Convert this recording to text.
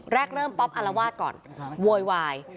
แรกเริ่มป๊อบอัลละวาดก่อนโวยวาย